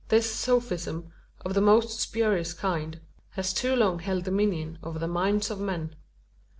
This sophism, of the most spurious kind, has too long held dominion over the minds of men.